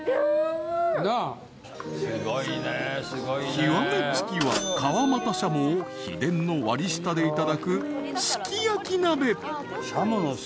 ［極め付きは川俣シャモを秘伝の割り下でいただくすき焼き鍋］